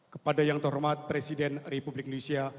kepada yang terhormat presiden republik indonesia